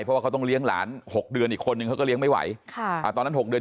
เพราะว่าเขาต้องเลี้ยงหลาน๖เดือนอีกคนนึงเขาก็เลี้ยงไม่ไหวค่ะอ่าตอนนั้น๖เดือน